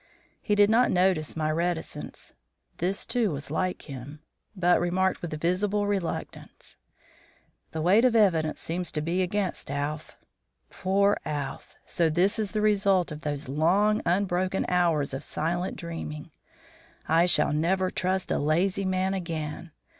He did not notice my reticence this, too, was like him but remarked with visible reluctance: "The weight of evidence seems to be against Alph. Poor Alph! So this is the result of those long, unbroken hours of silent dreaming! I shall never trust a lazy man again.